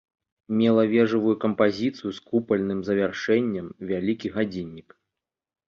Мела вежавую кампазіцыю з купальным завяршэннем, вялікі гадзіннік.